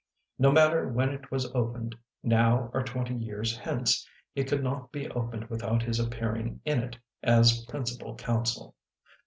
No matter when it was opened, now or twenty years hence, it could not be opened without his appearing in it as principal counsel.